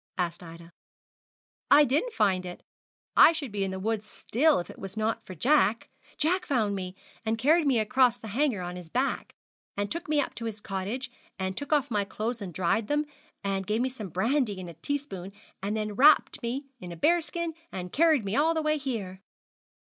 asked Ida. 'I didn't find it. I should be in the wood still if it was not for Jack Jack found me, and carried me across the Hanger on his back, and took me up to his cottage, and took off my clothes and dried them, and gave me some brandy in a teaspoon, and then wrapped me in a bear skin, and carried me all the way here.'